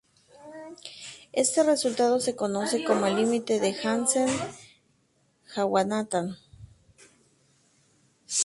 Este resultado se conoce como el límite de Hansen-Jagannathan.